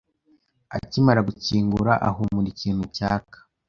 Akimara gukingura, ahumura ikintu cyaka.